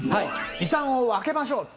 遺産を分けましょうと。